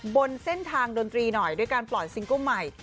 บนเส้นทางดนตรีหน่อยด้วยการปล่อยซิงเกิ้ลใหม่